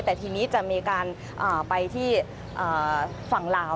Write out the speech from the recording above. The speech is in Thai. แต่ทีนี้จะมีการไปที่ฝั่งลาว